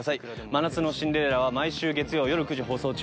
「真夏のシンデレラ」は毎週月曜夜９時放送中。